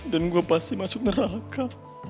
dan gue pasti masuk neraka